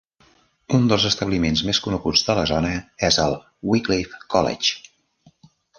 Un dels establiments més coneguts de la zona és el Wycliffe College.